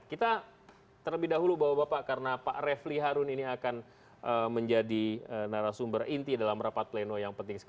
kita terlebih dahulu bahwa bapak karena pak refli harun ini akan menjadi narasumber inti dalam rapat pleno yang penting